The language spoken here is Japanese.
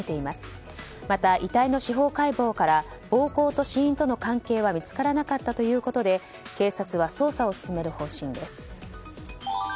また、遺体の司法解剖から暴行と死因との関係は見つからなかったということで警察は捜査を進める方針です。